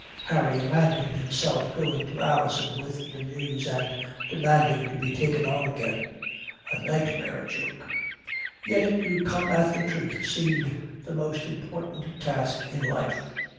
Harry imagined himself going to Alison with the news and demanding to be taken on again. A nightmare joke. Yet to come at the truth seemed the most important task in life.